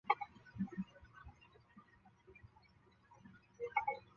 成为皇帝之下的最高统治集团。